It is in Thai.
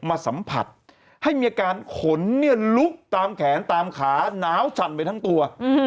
มาสัมผัสให้มีอาการขนเนี่ยลุกตามแขนตามขาหนาวสั่นไปทั้งตัว